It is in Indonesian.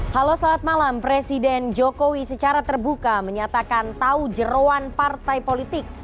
halo selamat malam presiden jokowi secara terbuka menyatakan tahu jerawan partai politik